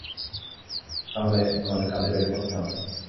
তাহলে, আমাদের কাজে লেগে পড়তে হবে।